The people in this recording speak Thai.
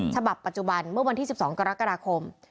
ฉบับปัจจุบันเมื่อวันที่๑๒กรกฎาคม